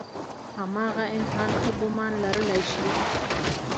هماغه انسان ښه ګمان لرلی شي.